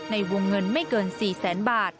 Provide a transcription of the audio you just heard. ในวงเงินไม่เกิน๔แสนบาท